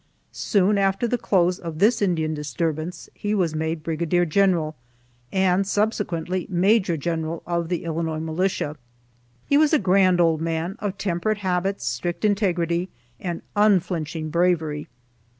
Soon after the close of this Indian disturbance, he was made Brigadier General, and subsequently Major General, of the Illinois militia. He was a grand old man, of temperate habits, strict integrity, and unflinching bravery.